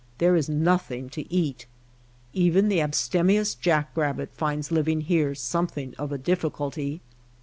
There is nothing to eat. Even the abstemious jack rabbit finds living here something of a difficulty.